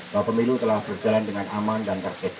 bahwa pemilu telah berjalan dengan aman dan tertib